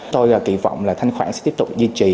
tôi kỳ vọng là thanh khoản sẽ tiếp tục duy trì